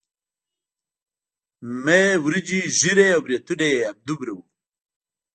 مۍ وريجې ږيره او برېتونه يې همدومره وو.